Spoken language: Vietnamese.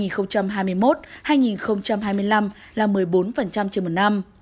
giai đoạn hai nghìn hai mươi một hai nghìn hai mươi năm là một mươi bốn trên một năm